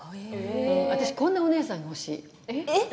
私、こんなお姉さんが欲しい。